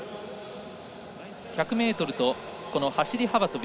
１００ｍと走り幅跳び